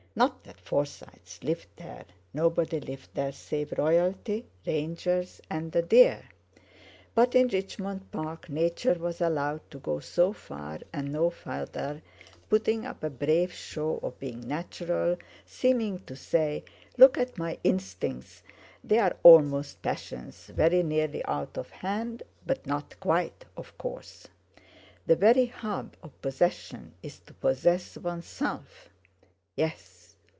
Not that Forsytes lived there—nobody lived there save royalty, rangers, and the deer—but in Richmond Park Nature was allowed to go so far and no further, putting up a brave show of being natural, seeming to say: "Look at my instincts—they are almost passions, very nearly out of hand, but not quite, of course; the very hub of possession is to possess oneself." Yes!